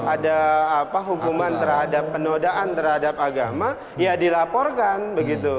ada apa hukuman terhadap penodaan terhadap agama ya dilaporkan begitu